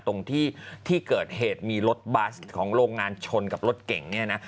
ตรงที่ที่เกิดเหตุมีรถบัสของโรงงานชนกับรถเก่งเนี่ยนะ